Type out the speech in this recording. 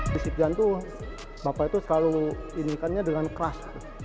fisik dan tuhan bapak itu selalu ini ikannya dengan keras